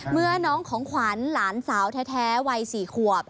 เมื่อน้องของขวัญหลานสาวแท้วัย๔ขวบ